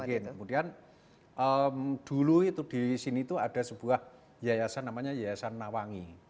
kemudian dulu itu di sini itu ada sebuah yayasan namanya yayasan nawangi